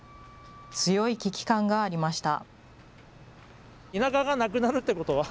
強い危機感がありました。